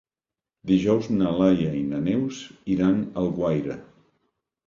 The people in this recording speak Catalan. Dijous na Laia i na Neus iran a Alguaire.